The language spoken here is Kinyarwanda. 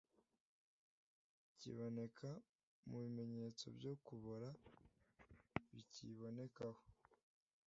kiboneka mu bimenyetso byo kubora biyibonekaho